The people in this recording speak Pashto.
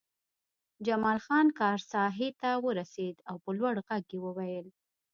جمال خان کار ساحې ته ورسېد او په لوړ غږ یې وویل